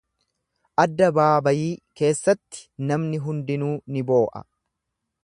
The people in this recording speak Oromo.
Addabaabayii keessatti namni hundinuu ni boo’a.